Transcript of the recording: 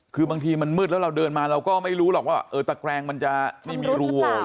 คือบางทีมันมืดแล้วเราเดินมาเราก็ไม่รู้หรอกว่าเออตะแกรงมันจะไม่มีรู